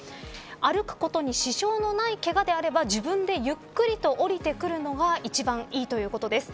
歩くことに支障のないけがであれば自分でゆっくりと下りてくるのが一番いいということです。